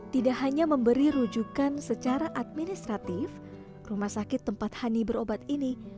tidak hanya memberi rujukan secara administratif rumah sakit tempat hani berobat ini